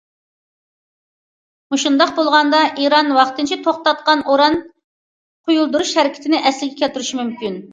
مۇشۇنداق بولغاندا، ئىران ۋاقتىنچە توختاتقان ئوران قويۇلدۇرۇش ھەرىكىتىنى ئەسلىگە كەلتۈرۈشى مۇمكىن.